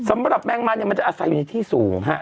สำหรับแมงมันเนี่ยมันจะอาศัยอยู่ที่สูงฮะ